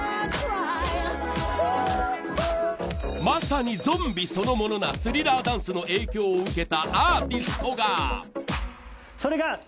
まさにゾンビそのものなスリラーダンスの影響を受けたアーティストが。